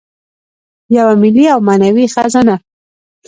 یوه ملي او معنوي خزانه.